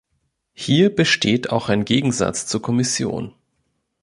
Hier besteht auch ein Gegensatz zur Kommission.